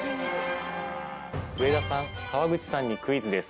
上田さん、川口さんにクイズです。